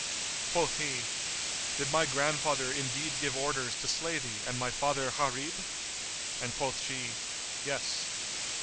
Quoth he, "Did my grandfather indeed give orders to slay thee and my father Gharib?"; and quoth she, "Yes."